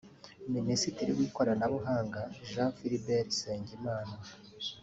Minisitiri w’ ikoranabuhanga Jean Philbert Nsengimana